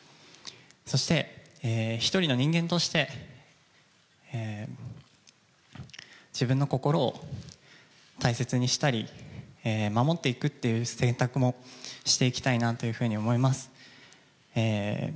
そして、一人の人間として、自分の心を大切にしたり、守っていくっていう選択もしていきたいなというふうに思います。